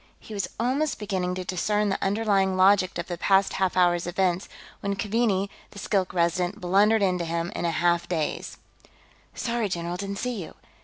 He was almost beginning to discern the underlying logic of the past half hour's events when Keaveney, the Skilk Resident, blundered into him in a half daze. "Sorry, general, didn't see you."